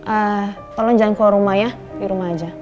eh tolong jangan keluar rumah ya di rumah aja